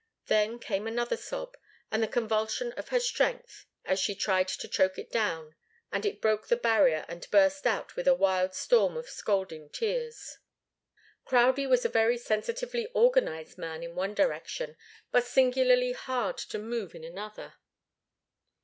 Then came another sob, and the convulsion of her strength as she tried to choke it down, and it broke the barrier and burst out with a wild storm of scalding tears. Crowdie was a very sensitively organized man in one direction, but singularly hard to move in another.